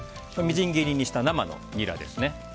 みじん切りにした生のニラです。